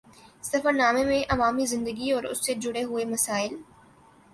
سفر نامے میں عوامی زندگی اور اُس سے جڑے ہوئے مسائل